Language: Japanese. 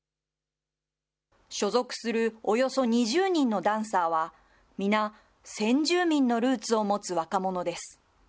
所属するおよそ２０人のダンサーは皆、先住民のルーツを持つ若者です。